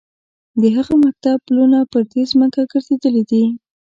د هغه مکتب پلونه پر دې ځمکه ګرځېدلي دي.